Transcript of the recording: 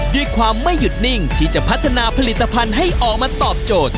ด้วยความไม่หยุดนิ่งที่จะพัฒนาผลิตภัณฑ์ให้ออกมาตอบโจทย์